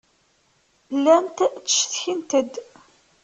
Llant ttcetkint-d.